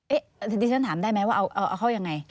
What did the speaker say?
อันนี้ฉันถามได้ไหมว่าเอาเข้ายังไง